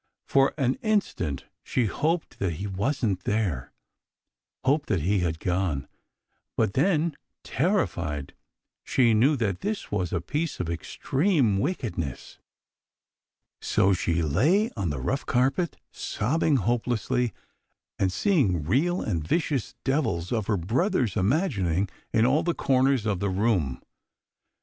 For an instant she hoped that he wasn't there hoped that he had gone but then, terrified, she knew that this was a piece of extreme wickedness. So she lay on the rough carpet, sobbing hopelessly, and seeing real and vicious devils of her brother's imagining in all the corners of the room.